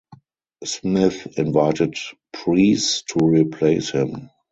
Smith invited Preece to replace him.